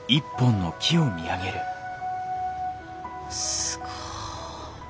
すごい。